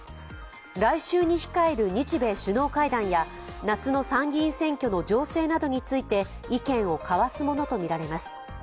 来週に控える日米首脳会談や夏の参議院選挙の情勢などについて意見を交わすものとみられます。